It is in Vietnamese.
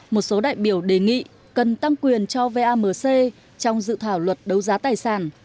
một số đại biểu đề nghị cần tăng quyền cho vamc trong dự thảo luật đấu giá tài sản